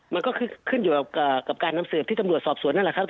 มันก็คือขึ้นอยู่กับการนำสืบที่ตำรวจสอบสวนนั่นแหละครับ